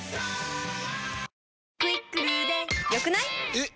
えっ！